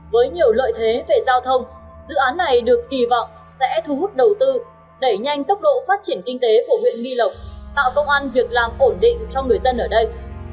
với nhiều lợi thế về giao thông dự án này được kỳ vọng sẽ thu hút đầu tư đẩy nhanh tốc độ phát triển kinh tế của huyện nghi lộc tạo công an việc làm ổn định cho người dân ở đây